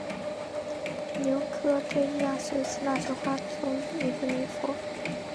琉科忒亚是希腊神话中一个宁芙。